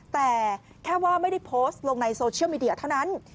แต่แค่ว่าไม่ได้โพสต์ลงในโซเชียลมีเดียเท่านั้น